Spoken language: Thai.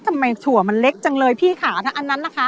สมัยถั่วมันเล็กจังเลยอันนั้นนะคะ